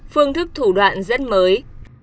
phương thức thủ đoạn rất mới